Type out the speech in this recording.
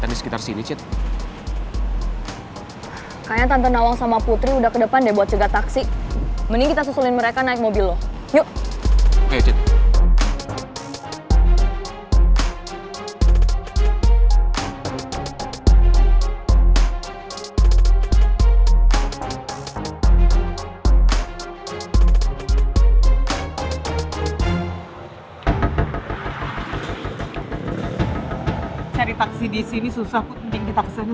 cari taksi disini susah putri kita kesana sayang